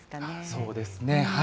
そうですね。